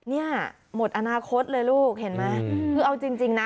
เนี่ยหมดอนาคตเลยลูกเห็นไหมคือเอาจริงนะ